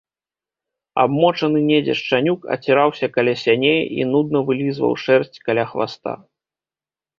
Абмочаны недзе шчанюк аціраўся каля сяней і нудна вылізваў шэрсць каля хваста.